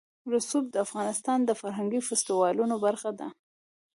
رسوب د افغانستان د فرهنګي فستیوالونو برخه ده.